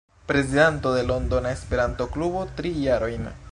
Prezidanto de Londona Esperanto-Klubo tri jarojn.